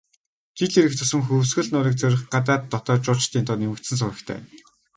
Жил ирэх тусам Хөвсгөл нуурыг зорих гадаад, дотоод жуулчдын тоо нэмэгдсэн сурагтай.